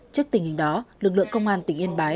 trước tình hình đó lực lượng công an tỉnh yên bái